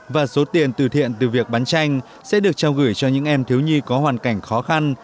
và số tiền từ thiện từ việc bán tranh sẽ được trao gửi cho những em thiếu nhi có hoàn cảnh khó khăn